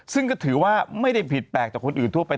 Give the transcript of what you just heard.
ซึ่งก็ถือว่าไม่ได้ผิดแปลกจากคนอื่นทั่วไป